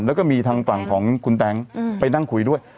แล้วก็มีทางฝั่งของคุณแต๊งไปนั่งคุยด้วย